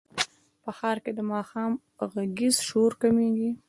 په ښار کې د ماښام غږیز شور کمېږي.